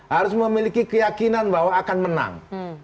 harus memiliki keyakinan bahwa akan menang